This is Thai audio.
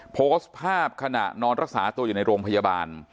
โพสต์ภาพขณะนอนรักษาตัวอยู่ในโรงพยาบาล